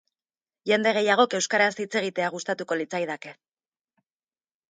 Jende gehiagok euskaraz hitz egitea gustatuko litzaidake.